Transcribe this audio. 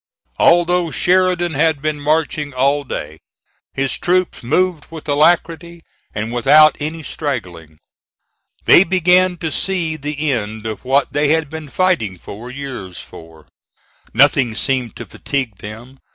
Although Sheridan had been marching all day, his troops moved with alacrity and without any straggling. They began to see the end of what they had been fighting four years for. Nothing seemed to fatigue them.